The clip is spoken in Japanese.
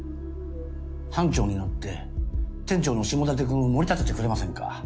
班長になって店長の下館君を盛り立ててくれませんか？